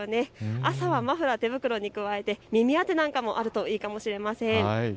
朝はマフラー手袋に加え耳当てなんかもあるとよいかもしれません。